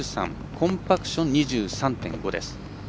コンパクション２３．５です。